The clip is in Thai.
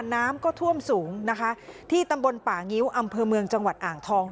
น้ำก็ท่วมสูงนะคะที่ตำบลป่างิ้วอำเภอเมืองจังหวัดอ่างทอง